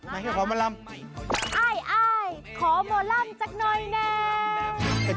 อ้ายขอหมอล่ำจากน้อยแน่